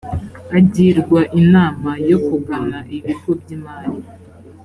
agirwa inama yo kugana ibigo by imari